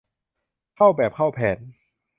เข้าแบบเข้าแผน